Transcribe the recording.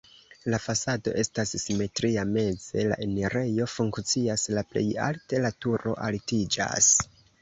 La fasado estas simetria, meze la enirejo funkcias, la plej alte la turo altiĝas.